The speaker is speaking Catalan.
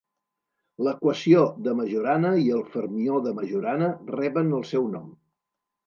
L'equació de Majorana i el fermió de Majorana reben el seu nom.